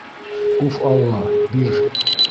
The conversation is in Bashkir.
Уф Алла, бир.